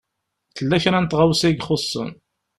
Tella kra n tɣawsa i ixuṣṣen.